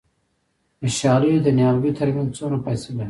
د شالیو د نیالګیو ترمنځ څومره فاصله وي؟